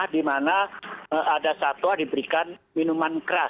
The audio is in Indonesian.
di mana ada satwa diberikan minuman keras